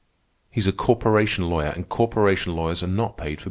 He's a corporation lawyer, and corporation lawyers are not paid for being fools.